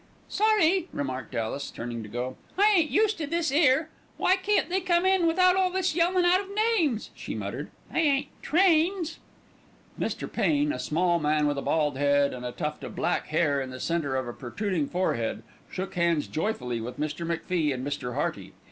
"Sorry," remarked Alice, turning to go. "I ain't used to this 'ere. Why can't they come in without all this yelling out of names?" she muttered. "They ain't trains." Mr. Pain, a small man with a bald head and a tuft of black hair in the centre of a protruding forehead, shook hands joyfully with Mr. MacFie and Mr. Hearty.